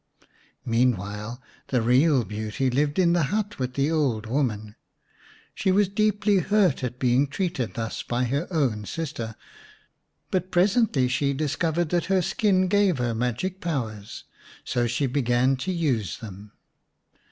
Meanwhile the real beauty lived in the hut with the old woman. She was deeply hurt at being treated thus by her own sister, but presently she discovered that her skin gave her magic powers, so she began to use them.